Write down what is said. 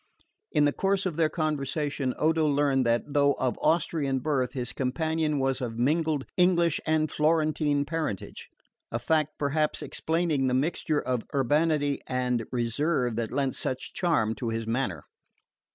In the course of their conversation Odo learned that though of Austrian birth his companion was of mingled English and Florentine parentage: a fact perhaps explaining the mixture of urbanity and reserve that lent such charm to his manner.